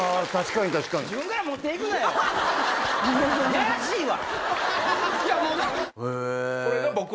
やらしいわ。